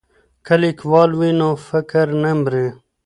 که لیکوال وي نو فکر نه مري.